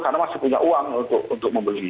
karena masih punya uang untuk membeli